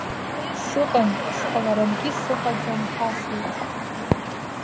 Сыҟан, сҟаларангьы сыҟаӡам ԥасеиԥш…